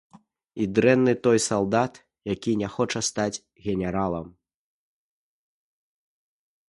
І дрэнны той салдат, які не хоча стаць генералам.